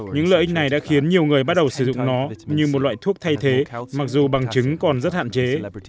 những lợi ích này đã khiến nhiều người bắt đầu sử dụng nó như một loại thuốc thay thế mặc dù bằng chứng còn rất hạn chế